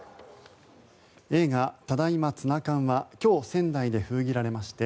映画「ただいま、つなかん」は今日、仙台で封切られまして